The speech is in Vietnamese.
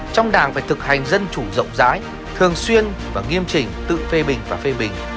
trong đảng phải thực hành dân chủ rộng rãi thường xuyên và nghiêm trình tự phê bình và phê bình